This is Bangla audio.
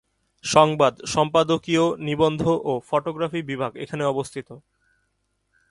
সংবাদ, সম্পাদকীয়, নিবন্ধ ও ফটোগ্রাফি বিভাগ এখানে অবস্থিত।